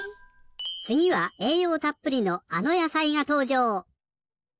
つぎはえいようたっぷりのあのやさいがとうじょう。